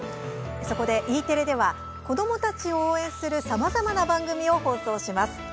そこでＥテレでは子どもたちを応援するさまざまな番組を放送します。